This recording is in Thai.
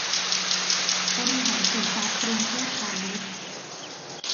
บริหารสินทรัพย์ กรุงเทพพาณิชย์